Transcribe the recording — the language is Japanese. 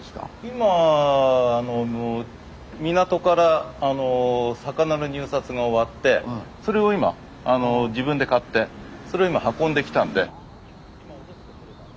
今あの港から魚の入札が終わってそれを今あの自分で買ってそれを今運んできたんで。